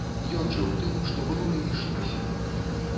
Ён жыў тым, што было і ішлося.